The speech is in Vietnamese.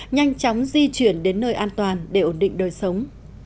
nhanh chóng di chuyển đến nơi an toàn để ổn định đời sống